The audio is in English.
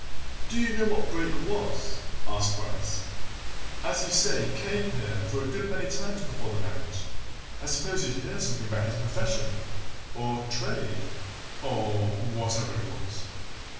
"Do you know what Brake was?" asked Bryce. "As you say he came here for a good many times before the marriage, I suppose you'd hear something about his profession, or trade, or whatever it was?"